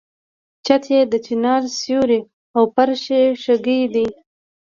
چت یې د چنار سیوری او فرش یې شګې دي.